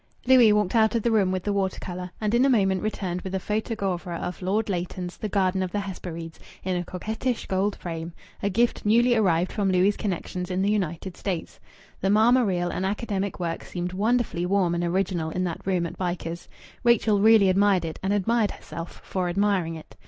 Louis walked out of the room with the water colour, and in a moment returned with a photogravure of Lord Leighton's "The Garden of the Hesperides," in a coquettish gold frame a gift newly arrived from Louis' connections in the United States. The marmoreal and academic work seemed wonderfully warm and original in that room at Bycars. Rachel really admired it, and admired herself for admiring it.